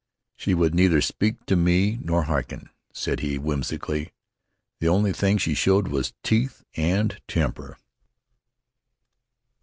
"She would neither speak to me nor harken," said he, whimsically. "The only thing she showed was teeth and temper."